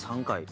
３回。